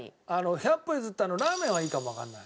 百歩譲ってあのラーメンはいいかもわかんない。